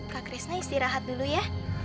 kak krisna istirahat dulu ya